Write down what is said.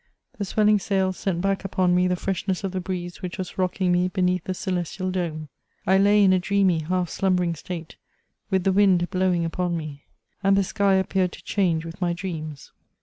The swelling sail sent back upon me the freshness of the breeze which was rocking me beneath the celes tial dome ; I lay in a dreamy, half s lumbering state, with the mad blowing upon me, and the sky appeared to change with my dreams.